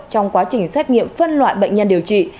trong quá trình xét nghiệm phân loại bệnh nhân điều trị